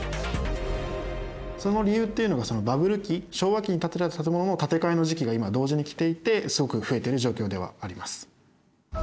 その理由っていうのがバブル期・昭和期に建てられた建物の建て替えの時期が今同時にきていてすごく増えてる状況ではあります。